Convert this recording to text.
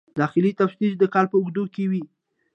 داخلي تفتیش د کال په اوږدو کې وي.